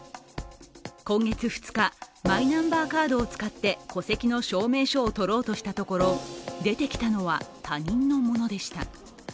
今月２日、マイナンバーカードを使って戸籍の証明書を取ろうとしたところ出てきたのは他人のものでした。